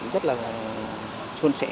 rất là xuân xẻ